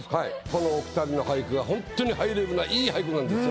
このお二人の俳句がほんとにハイレベルないい俳句なんですよ。